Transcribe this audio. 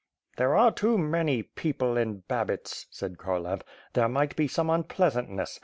"There are too many people in Babits," said Kharlamp. "There might be some unpleasantness.